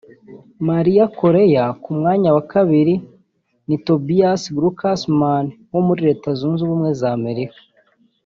Maria Correa; ku mwanya wa kabiri ni Tobias Glucksman wo muri Leta Zunze Ubumwe za Amerika